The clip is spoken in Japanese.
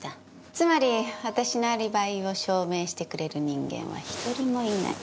つまり私のアリバイを証明してくれる人間は一人もいない。